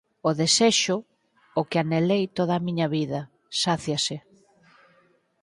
O desexo... o que anhelei toda a miña vida, sáciase!